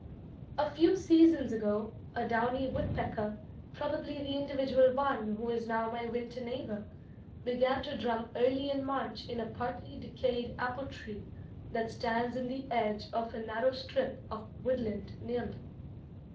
A few seasons ago, a downy woodpecker, probably the individual one who is now my winter neighbor, began to drum early in March in a partly decayed apple tree that stands in the edge of a narrow strip of woodland near me.